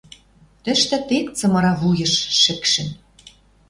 Тӹштӹ тек цымыра вуйыш шӹкшӹм